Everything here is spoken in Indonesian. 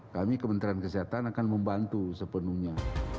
kami kementerian kesehatan akan membantu sepenuhnya